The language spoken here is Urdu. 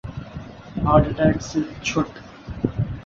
ہارٹ اٹیک سے چھٹ